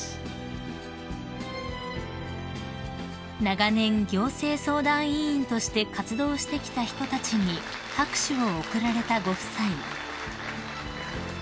［長年行政相談委員として活動してきた人たちに拍手を送られたご夫妻］